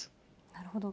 なるほど。